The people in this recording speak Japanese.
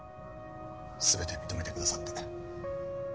全て認めてくださって。